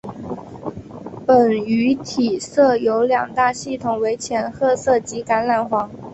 本鱼体色有两大系统为浅褐色及橄榄黄。